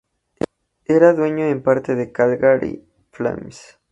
Era dueño en parte de Calgary Flames.